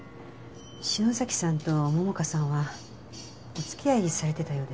篠崎さんと桃花さんはお付き合いされてたようです。